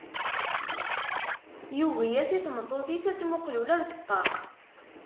Yugi-yas i tmeṭṭut-is ad tmuqel ula deg ṭṭaq.